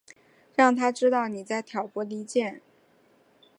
让他知道妳在挑拨离间